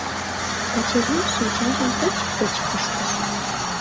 Качырий шинчажым пыч-пыч ыштыш.